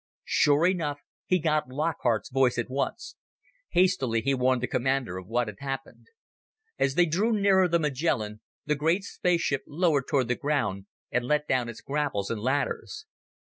Sure enough, he got Lockhart's voice at once. Hastily, he warned the commander of what had happened. As they drew nearer the Magellan, the great spaceship lowered toward the ground and let down its grapples and ladders.